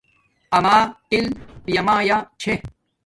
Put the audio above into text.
آما تل پیامایا چھے